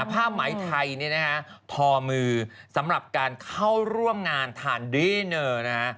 ผ้าไหมไทยนี้ทอมือสำหรับการเข้าร่วมงานทานดีเนอร์